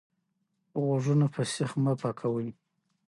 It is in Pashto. غوږونه په سیخ مه پاکوئ.